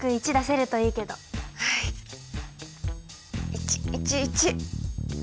１１１！